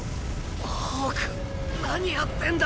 ホーク何やってんだ。